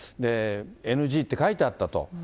ＮＧって書いてあったと。